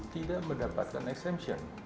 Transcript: tidak mendapatkan exemption